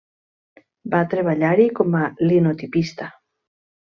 Va treballar-hi com a linotipista.